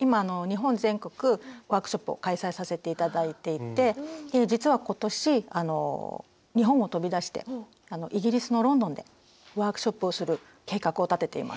今日本全国ワークショップを開催させて頂いていて実は今年日本を飛び出してイギリスのロンドンでワークショップをする計画を立てています。